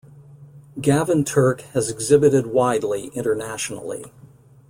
Gavin Turk has exhibited widely internationally.